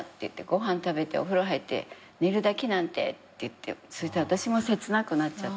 「ご飯食べてお風呂入って寝るだけなんて」って言って私も切なくなっちゃって。